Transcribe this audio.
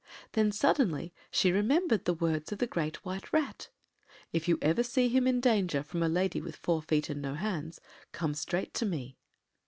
Then suddenly she remembered the words of the Great White Rat— “If ever you see him in danger from a lady with four feet and no hands come straight to me.